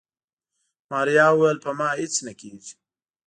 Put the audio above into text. ماريا وويل په ما هيڅ نه کيږي.